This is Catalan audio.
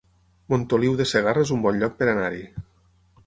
Montoliu de Segarra es un bon lloc per anar-hi